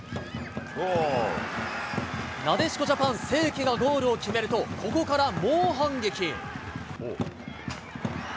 なでしこジャパン、清家がゴールを決めると、ここから猛反撃。